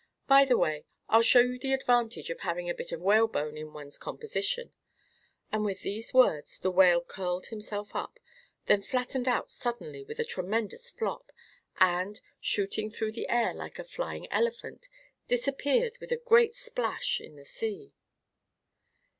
By the way I'll show you the advantage of having a bit of whalebone in one's composition;" and with these words the Whale curled himself up, then flattened out suddenly with a tremendous flop, and, shooting through the air like a flying elephant, disappeared with a great splash in the sea.